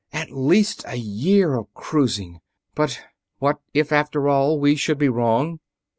"At least a year of cruising. But ... what if, after all, we should be wrong?"